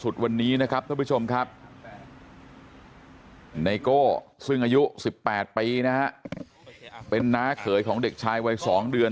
วันนี้นะครับท่านผู้ชมครับไนโก้ซึ่งอายุ๑๘ปีนะฮะเป็นน้าเขยของเด็กชายวัย๒เดือน